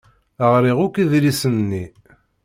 Ɣriɣ akk idlisen-nni.